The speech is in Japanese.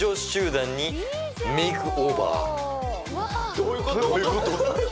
どういうこと？